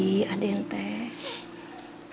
ya jadi gini bi